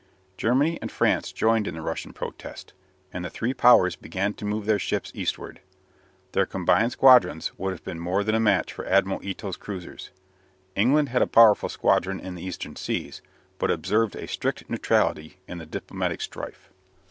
Germany and France joined in the Russian protest, and the three Powers began to move their ships eastward. Their combined squadrons would have been more than a match for Admiral Ito's cruisers. England had a powerful squadron in the Eastern seas, but observed a strict neutrality in the diplomatic strife.